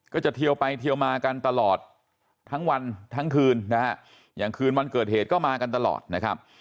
เทียวไปเทียวมากันตลอดทั้งวันทั้งคืนนะฮะอย่างคืนวันเกิดเหตุก็มากันตลอดนะครับ